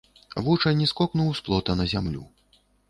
Вучань скокнуў з плота на зямлю.